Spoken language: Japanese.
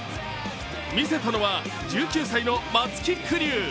見せたのは１９歳の松木玖生。